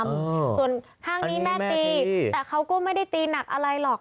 ส่วนห้างนี้แม่ตีแต่เขาก็ไม่ได้ตีหนักอะไรหรอก